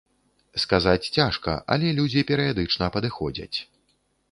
Сказаць цяжка, але людзі перыядычна падыходзяць.